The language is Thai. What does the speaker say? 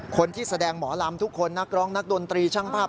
คนที่แสดงหมอลำทุกคนนักร้องนักดนตรีช่างภาพ